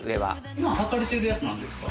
普段履かれてるやつなんですか？